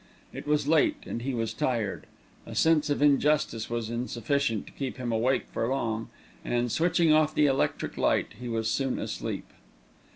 It was late, and he was tired. A sense of injustice was insufficient to keep him awake for long, and, switching off the electric light, he was soon asleep.